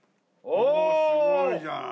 おおっすごいじゃない。